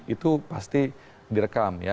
itu pasti direkam